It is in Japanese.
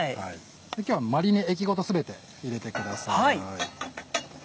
今日はマリネ液ごと全て入れてください。